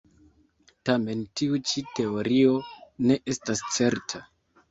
Tamen tiu ĉi teorio ne estas certa.